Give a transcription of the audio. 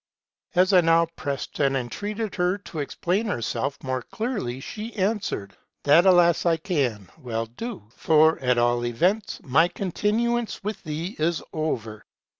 " As I now pressed and entreated her to explain herself more clearly, she answered, ' That, alas ! I can well do ; for, at all events, my continuance with thee is over.